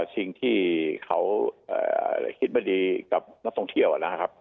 สิ่งที่เขาคิดไม่ดีกับนักท่องเที่ยวนะครับ